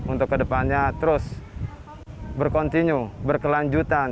untuk ke depannya terus berkontinu berkelanjutan